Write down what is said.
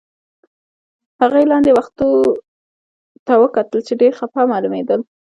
هغې لاندې و ختو ته وکتل، چې ډېر خپه معلومېدل.